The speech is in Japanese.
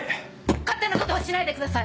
勝手なことはしないでください！